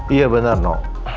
iya bener no